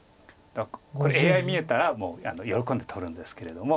だからこれＡＩ見えたらもう喜んで取るんですけれども。